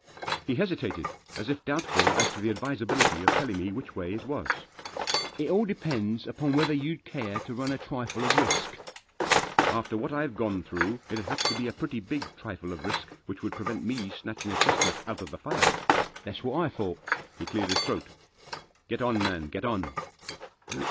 He hesitated, as if doubtful as to the advisability of telling me which way it was* " It all depends upon whether you'd care to run a trifle of risk." " After what I've gone through it'd have to be a Digitized by 296 THE JOSS. pretty big trifle of risk which would prevent me snatching a chestnut out of the fire." " That's what I thought." He cleared his throat. " Get on, man, get on